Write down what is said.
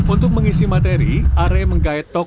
untuk mengisi materi arei menggayakan pelatihan ini